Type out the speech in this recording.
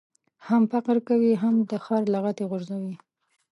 هم فقر کوې ، هم دي خر لغتي غورځوي.